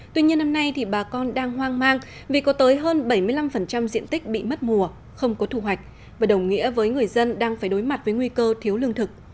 tuy nhiên năm nay thì bà con đang hoang mang vì có tới hơn bảy mươi năm diện tích bị mất mùa không có thu hoạch và đồng nghĩa với người dân đang phải đối mặt với nguy cơ thiếu lương thực